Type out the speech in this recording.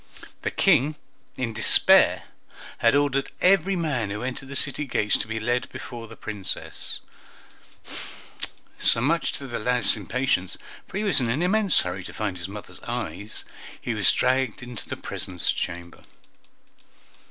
The King, in despair, had ordered every man who entered the city gates to be led before the Princess; so, much to the lad's impatience, for he was in an immense hurry to find his mothers' eyes, he was dragged into the presence chamber.